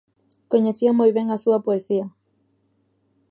Coñecía moi ben a súa poesía.